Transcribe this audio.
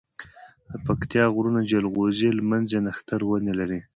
دپکتيا غرونه جلغوزي، لمنځی، نښتر ونی لری